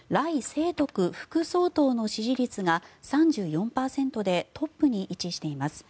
清徳副総統の支持率が３４％でトップに位置しています。